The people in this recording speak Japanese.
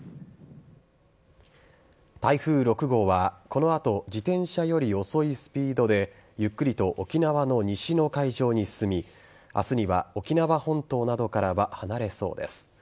台風６号はこの後自転車より遅いスピードでゆっくりと沖縄の西の海上に進み明日には沖縄本島などからは離れそうです。